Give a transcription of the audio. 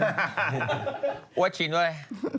กูว่าชินด้วย